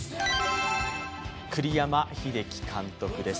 栗山英樹監督です。